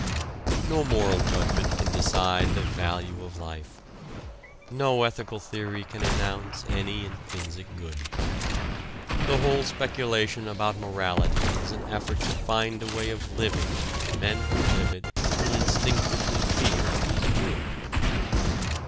No moral judgment can decide the value of life. No ethical theory can announce any intrinsic good. The whole speculation about morality is an effort to find a way of living which men who live it will instinctively feel is good.